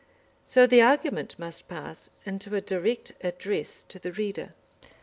So the argument must pass into a direct address to the reader.